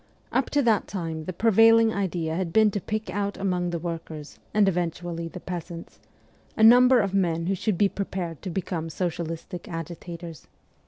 Up to that time the prevailing idea had been to pick out among the workers, and eventually the peasants, a number of men who should be prepared to become socialistic 158 MEMOIRS OF A REVOLUTIONIST agitators.